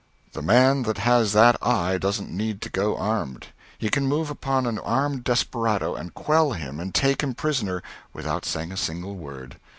The man that has that eye doesn't need to go armed; he can move upon an armed desperado and quell him and take him prisoner without saying a single word.